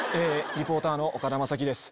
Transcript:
リポーターの岡田将生です。